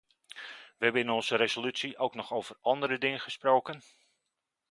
Wij hebben in onze resolutie ook nog over andere dingen gesproken.